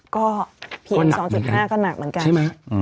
ก็เพียง๒๕ก็หนักเหมือนกันใช่ไหม